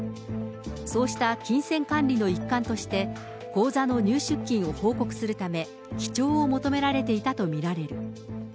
そうした金銭管理の一環として、口座の入出金を報告するため、記帳を求められていたと見られる。